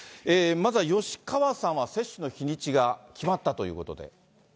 まずは吉川さんは接種の日にちが決まったということで。